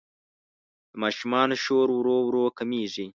د ماشومانو شور ورو ورو کمېږي.